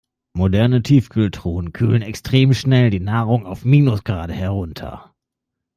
Moderne Tiefkühltruhen kühlen extrem schnell die Nahrung auf Minusgrade herunter.